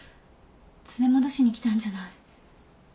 連れ戻しに来たんじゃない。